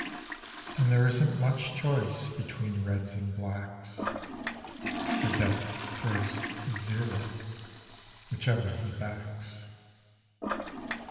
(And there isn't much choice between Reds and Blacks, For Death throws "zero" whichever he backs.)